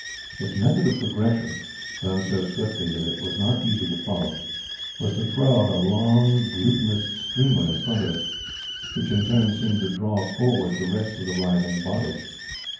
Its method of progression done so swiftly that it was not easy to follow was to throw out a long, glutinous streamer in front of it, which in turn seemed to draw forward the rest of the writhing body.